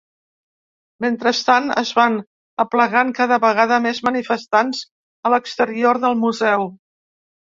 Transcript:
Mentrestant es van aplegant cada vegada més manifestants a l’exterior del museu.